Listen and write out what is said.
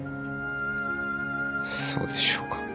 そうでしょうか？